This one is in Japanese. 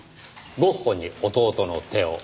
ゴッホに弟のテオ。